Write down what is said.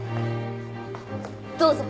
どうぞ！